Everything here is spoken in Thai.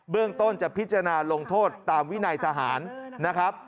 เรื่องต้นจะพิจารณาลงโทษตามวินัยทหารนะครับ